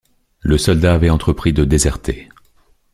Le soldat avait entrepris de déserter.